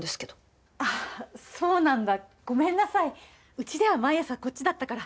うちでは毎朝こっちだったから。